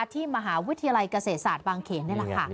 ที่มหาวิทยาลัยเกษตรศาสตร์บางเขน